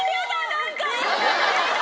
何か。